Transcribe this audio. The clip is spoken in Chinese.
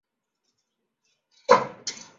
在场上的位置是右边锋。